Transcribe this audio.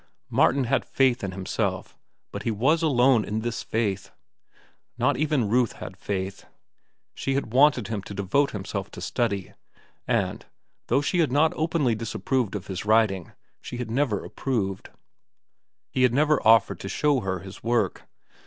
Martin had faith in himself, but he was alone in this faith. Not even Ruth had faith. She had wanted him to devote himself to study, and, though she had not openly disapproved of his writing, she had never approved. He had never offered to show her his work.